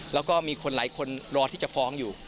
แล้วก็มีคนหลายคนรอที่จะฟ้องอยู่